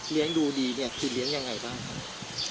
เลี้ยงดูดีคือเลี้ยงยังไงบ้าง